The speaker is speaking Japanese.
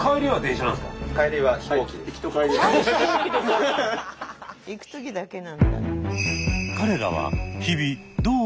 行く時だけなんだ。